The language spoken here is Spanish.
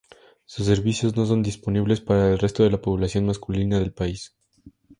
Sus servicios no son disponibles para el resto de la población masculina del país.